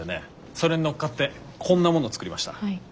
それに乗っかってこんなものを作りました。